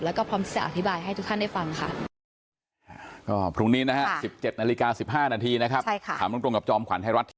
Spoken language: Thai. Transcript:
แล้วก็พร้อมจะอธิบายให้ทุกท่านได้ฟังค่ะ